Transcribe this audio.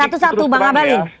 satu satu bang abalin